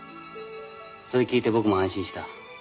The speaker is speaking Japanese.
それ聞いて僕も安心した」